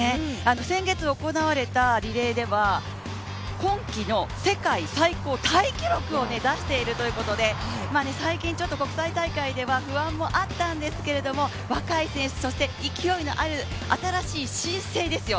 先月行われたリレーでは今季の世界最高タイ記録を出しているということで、最近、国際大会では不安もあったんですけれども若い選手、勢いのある新しい新星ですよ。